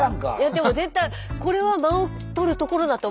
でも絶対これは間をとるところだと思うんです。